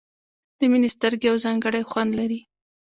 د مینې سترګې یو ځانګړی خوند لري.